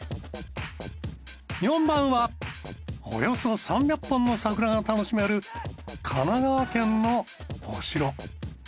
４番はおよそ３００本の桜が楽しめる神奈川県のお城。